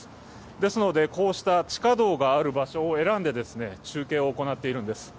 ですのでこうした地下道がある場所を選んで中継を行っているんです。